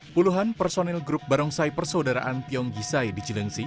puluhan personil grup barongsai persaudaraan tiong gisai di cilengsi